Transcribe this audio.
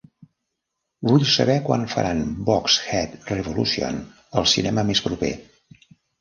Vull saber quan faran Box Head Revolution al cinema més proper